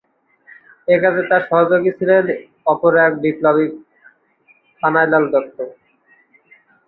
একাজে তার সহযোগী ছিলেন অপর এক বিপ্লবী কানাইলাল দত্ত।